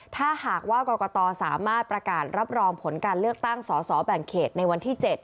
ถ้าหากว่ากรกตสามารถประกาศรับรองผลการเลือกตั้งสอสอแบ่งเขตในวันที่๗